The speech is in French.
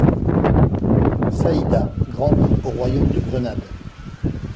Sayyida grandit au Royaume de Grenade.